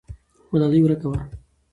ملالۍ ورکه وه.